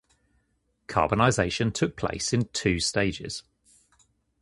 Carbonisation took place in two stages.